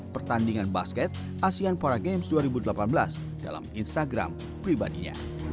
berita sempat ditahan selama dua bulan